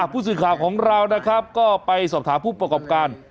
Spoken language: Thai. ผู้สื่อข่าวของเรานะครับก็ไปสอบถามผู้ประกอบการ